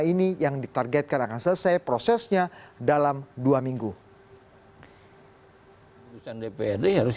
ini yang ditargetkan akan selesai prosesnya dalam dua minggu